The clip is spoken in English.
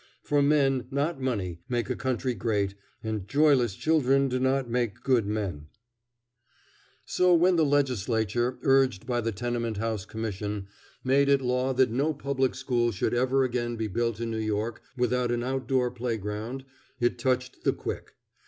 For men, not money, make a country great, and joyless children do not make good men. [Illustration: A Tenement House Air shaft] So when the Legislature, urged by the Tenement House Commission, made it law that no public school should ever again be built in New York without an outdoor playground, it touched the quick.